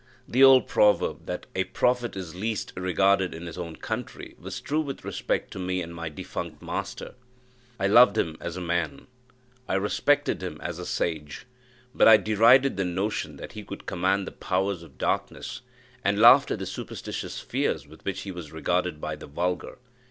The old proverb, that "a prophet is least regarded in his own country," was true with respect to me and my defunct master. I loved him as a man I respected him as a sage but I derided the notion that he could command the powers of darkness, and laughed at the superstitious fears with which he was regarded by the vulgar.